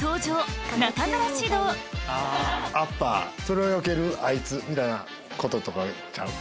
それをよけるあいつ！みたいなこととかちゃう？